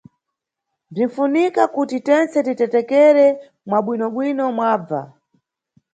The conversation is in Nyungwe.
Bzinʼfunika kuti tentse titetekere mwa bweinobwino mwabva.